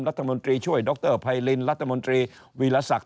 รัฐมนตรีช่วยดรไพรินรัฐมนตรีวีรศักดิ